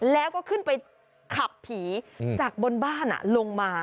แล้วก็ขึ้นไปขับผีจากบนบ้านลงมา